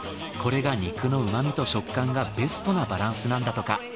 これが肉の旨みと食感がベストなバランスなんだとか。